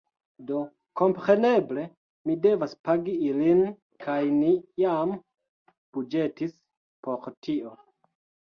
Do, kompreneble mi devas pagi ilin kaj ni jam buĝetis por tio